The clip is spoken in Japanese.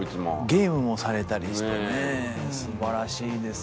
ゲームもされたりしてね素晴らしいですね。